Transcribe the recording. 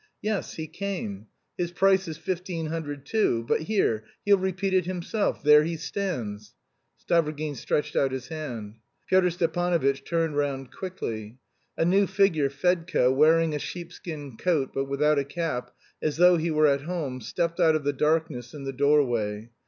"Yes, he came. His price is fifteen hundred too.... But here; he'll repeat it himself. There he stands." Stavrogin stretched out his hand. Pyotr Stepanovitch turned round quickly. A new figure, Fedka, wearing a sheep skin coat, but without a cap, as though he were at home, stepped out of the darkness in the doorway.